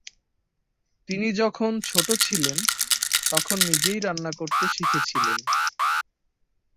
তিনি যখন ছোট ছিলেন তখন নিজেই রান্না করতে শিখেছিলেন।